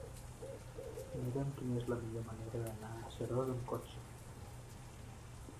Mira'm quina és la millor manera d'anar a Seròs amb cotxe.